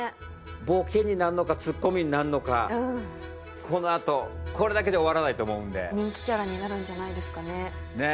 ボケになるのかツッコミになるのかこのあとこれだけで終わらないと思うんで人気キャラになるんじゃないですかね